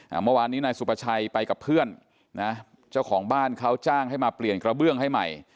เมื่อวานนี้นายสุภาชัยไปกับเพื่อนนะเจ้าของบ้านเขาจ้างให้มาเปลี่ยนกระเบื้องให้ใหม่